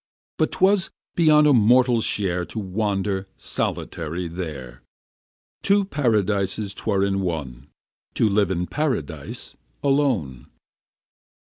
But 'twas beyond a mortal's share To wander solitary there: Two paradises 'twere in one To live in paradise alone.